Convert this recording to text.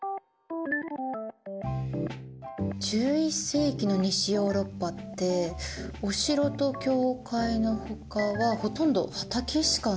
１１世紀の西ヨーロッパってお城と教会のほかはほとんど畑しかなかったんだ。